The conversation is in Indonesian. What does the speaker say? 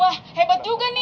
wah hebat juga nih